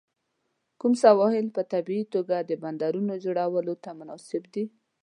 کوم سواحل په طبیعي توګه د بندرونو جوړولو ته مناسب دي؟